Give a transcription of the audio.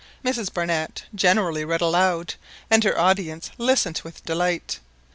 Mrs Barnett generally read aloud, and her audience listened with delight.